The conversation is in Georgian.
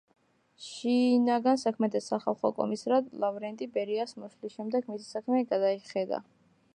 შინაგან საქმეთა სახალხო კომისრად ლავრენტი ბერიას მოსვლის შემდეგ მისი საქმე გადაიხედა.